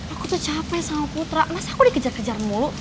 aku tuh capek sama putra mas aku dikejar kejar mulu